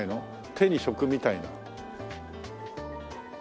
手に職みたいな。